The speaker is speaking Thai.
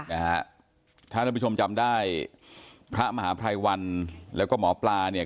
นะฮะถ้าท่านผู้ชมจำได้พระมหาภัยวันแล้วก็หมอปลาเนี่ย